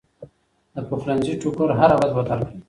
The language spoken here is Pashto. د پخلنځي ټوکر هره ورځ بدل کړئ.